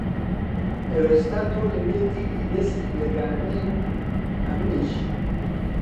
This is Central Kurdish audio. ئەوێستا تۆ لەوێ دیلی دەسی بێگانەی و ئەمنیش